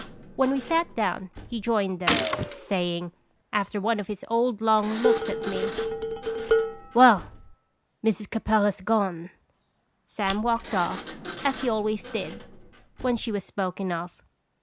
When we sat down, he joined us, saying, after one of his old, long looks at me : "Well Mrs. Capel has gone." Sam walked off, as he always did when she was spoken of.